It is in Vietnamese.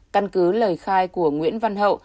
căn cứ lời khai của nguyễn văn hậu